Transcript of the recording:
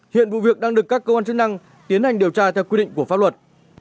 hiện vụ việc đang được các cơ quan chức năng tiến hành điều tra theo quy định của pháp luật